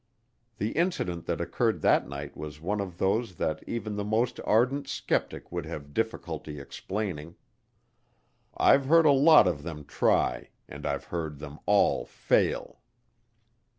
The incident that occurred that night was one of those that even the most ardent skeptic would have difficulty explaining. I've heard a lot of them try and I've heard them all fail.